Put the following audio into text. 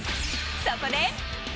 そこで。